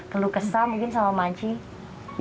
perlu kesal mungkin sama makci